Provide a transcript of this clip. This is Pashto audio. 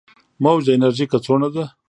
موج د انرژي کڅوړه ده.